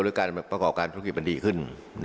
หรือการประกอบการธุรกิจมันดีขึ้น